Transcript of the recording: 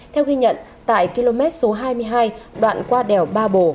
theo ghi nhận tại km số hai mươi hai đoạn qua đèo ba bồ